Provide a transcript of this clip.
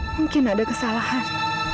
mungkin ada kesalahan